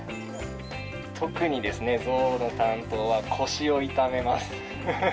特にゾウの担当は腰を痛めます。